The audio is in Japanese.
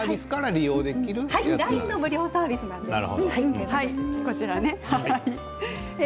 ＬＩＮＥの無料サービスなんですね。